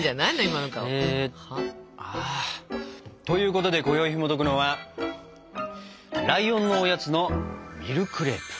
今の顔。ということでこよいひもとくのは「ライオンのおやつ」のミルクレープ！